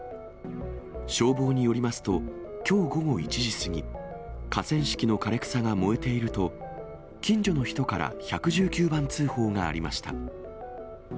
消防によりますと、きょう午後１時過ぎ、河川敷の枯れ草が燃えていると、近所の人から１１９番通報がありました。